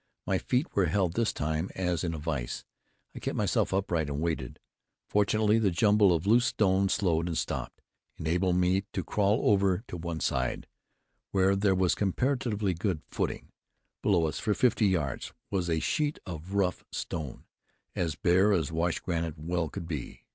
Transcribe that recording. My feet were held this time, as in a vise. I kept myself upright and waited. Fortunately, the jumble of loose stone slowed and stopped, enabling me to crawl over to one side where there was comparatively good footing. Below us, for fifty yards was a sheet of rough stone, as bare as washed granite well could be.